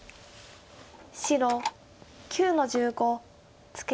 白９の十五ツケ。